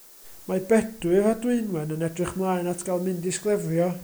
Mae Bedwyr a Dwynwen yn edrych ymlaen at gael mynd i sglefrio.